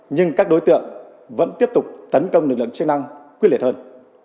nhưng các đối tượng vẫn tiếp tục tấn công lực lượng chức năng quyết liệt hơn